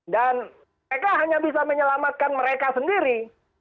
dan mereka hanya bisa menyelamatkan mereka sendiri